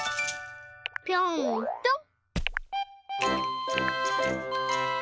ぴょんぴょん。